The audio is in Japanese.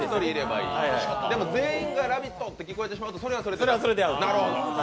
でも全員が「ラヴィット！」と聞こえてしまうとそれはそれで駄目。